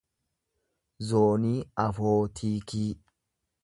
zoonii afootiikii